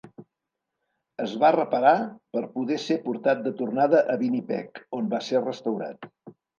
Es va reparar per poder ser portat de tornada a Winnipeg, on va ser restaurat.